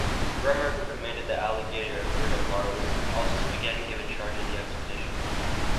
Bremer, who commanded the "Alligator" and "Britomart", was again given charge of the expedition.